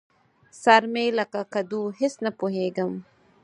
سر مې لکه کدو؛ هېڅ نه پوهېږم.